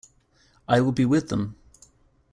I will be with them.